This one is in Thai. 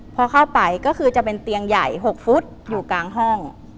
พอเข้าไปก็คือจะเป็นเตียงใหญ่๖ฟุตอยู่กลางห้อง